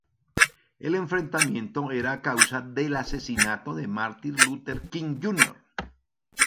El enfrentamiento era a causa del asesinato de Asesinato de Martin Luther King, Jr.